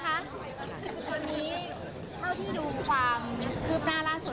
ตอนนี้ถ้าติดูความคลืบหน้าร่าที่สุด